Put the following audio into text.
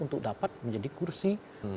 untuk dapat menjadi kursi